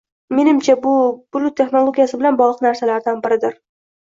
Menimcha, bu bulut texnologiyasi bilan bogʻliq narsalardan biridir.